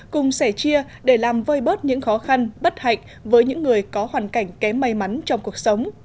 cùng sẻ chia để làm vơi bớt những khó khăn bất hạnh với những người có hoàn cảnh kém may mắn trong cuộc sống